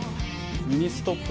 ミニストップ